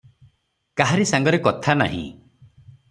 କାହାରି ସାଙ୍ଗରେ କଥା ନାହିଁ ।